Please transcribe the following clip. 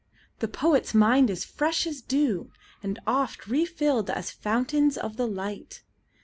The poet's mind is fresh as dew, And oft refilled as fountains of the light.